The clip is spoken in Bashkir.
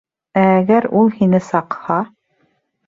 Ә әгәр ул һине саҡһа...